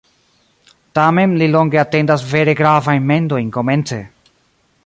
Tamen li longe atendas vere gravajn mendojn komence.